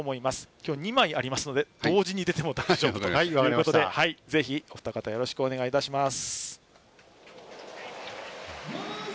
今日、２枚ありますので同時に出ても大丈夫ということでぜひ、お二方よろしくお願いいたします。